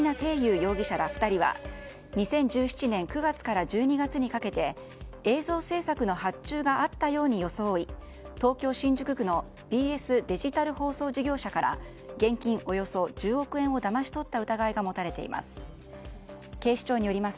容疑者ら２人は２０１７年９月から１２月にかけて映像制作の発注があったように装い東京・新宿区のＢＳデジタル放送事業者から現金およそ１０億円をだまし取った疑いが持たれています。